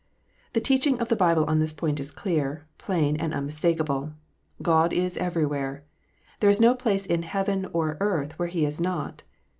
The teaching of the Bible on. this point is clear, plain, and unmistakable. God is everywhere. There is no place in heaven or earth where He is not.